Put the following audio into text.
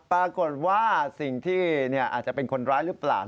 ปรากฏว่าสิ่งที่อาจจะเป็นคนร้ายหรือเปล่า